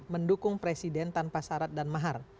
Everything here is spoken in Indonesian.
mendukung presiden tanpa syarat dan mahar